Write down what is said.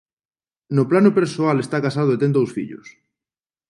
No plano persoal está casado e ten dous fillos.